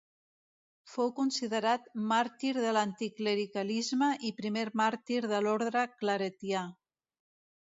Fou considerat màrtir de l'anticlericalisme i primer màrtir de l'orde claretià.